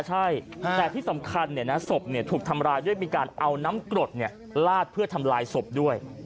ใช่แต่ที่สำคัญศพถูกทำร้ายด้วยมีการเอาน้ำกรดลาดเพื่อทำลายศพด้วย